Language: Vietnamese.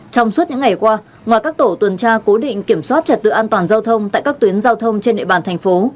trong suốt những ngày qua ngoài các tổ tuần tra cố định kiểm soát trật tự an toàn giao thông tại các tuyến giao thông trên địa bàn thành phố